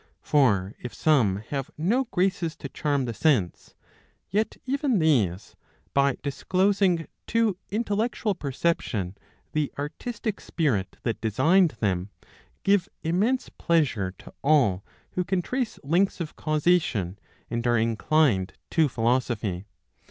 For if some have no graces to charm the sense, yet even these, by disclosing to intellectual perception the artistic spirit that designed them, give immense pleasure to all who can trace links of causation, and are inclined to philosophy.